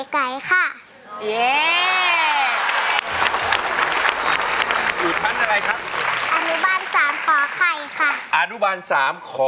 พี่โภค